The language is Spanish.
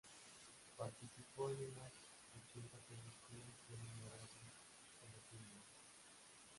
Participó en unas ochenta películas y en numerosos telefilmes.